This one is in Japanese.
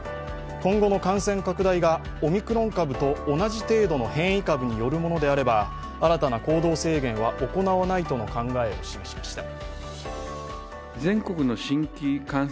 今後の感染拡大がオミクロン株と同じ程度の変異株によるものであれば新たな行動制限は行わないとの考えを示しました。